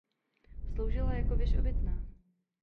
Sloužila jako věž obytná.